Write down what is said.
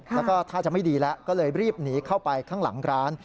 แล้วก็ท่าจะไม่ดีแล้วก็เลยรีบหนีเข้าไปข้างหลังร้าน